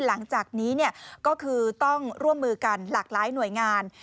หลังจากนี้ก็คือต้องร่วมมือกันหลากหลายหน่วยงาน